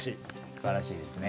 すばらしいですね。